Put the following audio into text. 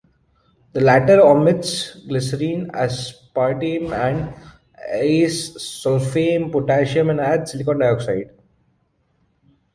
The latter omits glycerin, aspartame, and acesulfame potassium, and adds silicon dioxide.